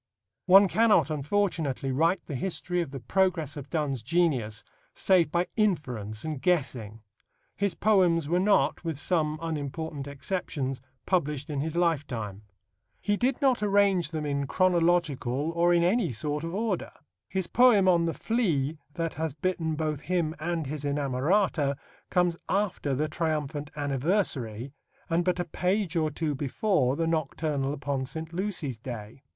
One cannot, unfortunately, write the history of the progress of Donne's genius save by inference and guessing. His poems were not, with some unimportant exceptions, published in his lifetime. He did not arrange them in chronological or in any sort of order. His poem on the flea that has bitten both him and his inamorata comes after the triumphant Anniversary, and but a page or two before the Nocturnal upon St. Lucy's Day.